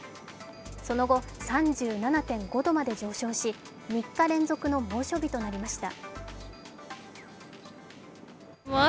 その後、３７．５度まで上昇し、３日連続の猛暑日となりました。